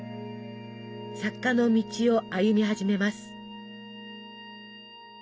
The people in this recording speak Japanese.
作家の道を歩み始めます。